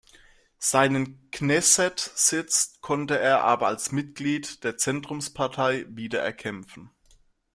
Seinen Knesset-Sitz konnte er aber als Mitglied der Zentrumspartei wieder erkämpfen.